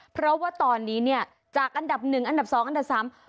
เพราะว่าตอนนี้จากอันดับ๑อันดับ๒อันดับ๓